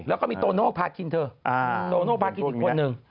แล้วก็มีโตโน่พาคินเธอโตโน่พากินอีกคนนึง